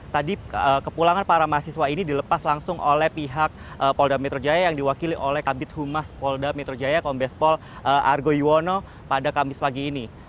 tadi kepulangan para mahasiswa ini dilepas langsung oleh pihak polda metro jaya yang diwakili oleh kabit humas polda metro jaya kombespol argo yuwono pada kamis pagi ini